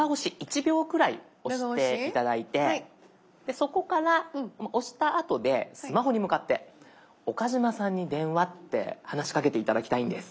そこから押したあとでスマホに向かって「岡嶋さんに電話」って話しかけて頂きたいんです。